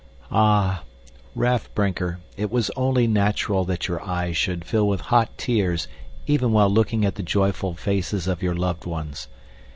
Ah! Raff Brinker, it was only natural that your eyes should fill with hot tears even while looking at the joyful faces of your loved ones.